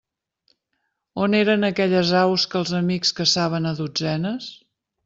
On eren aquelles aus que els amics caçaven a dotzenes?